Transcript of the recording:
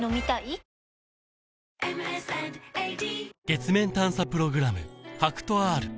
月面探査プログラム